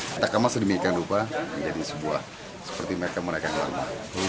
kita kemas di mekanik lupa menjadi sebuah seperti mereka mereka yang lama